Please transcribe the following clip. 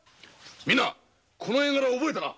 みんなこの絵柄覚えたか。